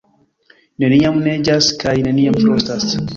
Neniam neĝas kaj neniam frostas.